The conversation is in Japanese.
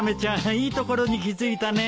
いいところに気付いたね。